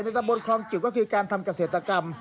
ตำบลคลองจิ๋วก็คือการทำเกษตรกรรม